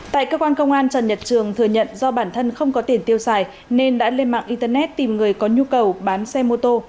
tại cơ quan công an trần nhật trường thừa nhận do bản thân không có tiền tiêu xài nên đã lên mạng internet tìm người có nhu cầu bán xe mô tô